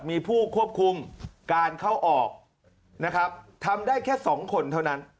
มีผู้ควบคุมการเข้าออกนะครับทำได้แค่สองคนเท่านั้น